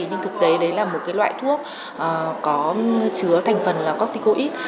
nhưng thực tế đấy là một loại thuốc có chứa thành phần là corpicoid